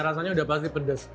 rasanya udah pasti pedas